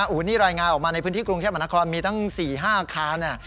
โอ้โหนี่รายงานออกมาในพื้นที่กรุงเทพมหานครมีทั้ง๔๕อาคาร